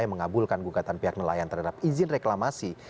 yang mengabulkan gugatan pihak nelayan terhadap izin reklamasi